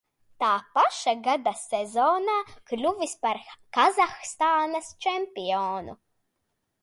Tā paša gada sezonā kļuvis par Kazahstānas čempionu.